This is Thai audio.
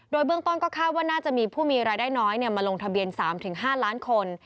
โดยเบื้องต้นก็คาดว่าน่าจะมีผู้มีรายได้น้อยมาลงทะเบียน๓๕ล้านคน